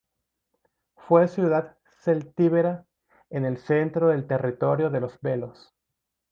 Fue ciudad celtíbera, en el centro del territorio de los Belos.